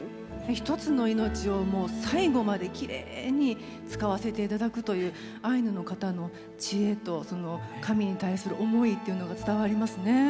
一つの命を最後まできれいに使わせて頂くというアイヌの方の知恵と神に対する思いっていうのが伝わりますね。